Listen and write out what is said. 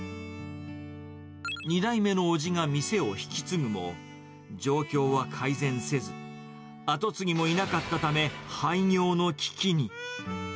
２代目の叔父が店を引き継ぐも、状況は改善せず、後継ぎもいなかったため、廃業の危機に。